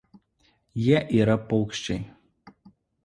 Jie yra paukščiai.